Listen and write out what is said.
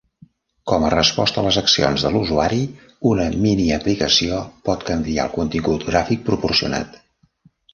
Com a resposta a les accions de l'usuari, una miniaplicació pot canviar el contingut gràfic proporcionat.